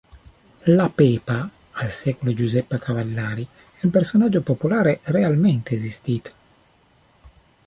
La Pepa, al secolo Giuseppa Cavallari, è un personaggio popolare realmente esistito.